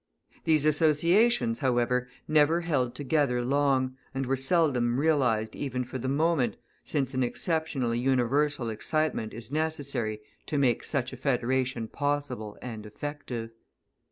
These associations, however, never held together long, and were seldom realised even for the moment, since an exceptionally universal excitement is necessary to make such a federation possible and effective.